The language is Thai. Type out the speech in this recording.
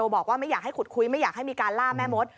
บอกว่าไม่อยากให้ขุดคุยไม่อยากให้มีการล่าแม่มด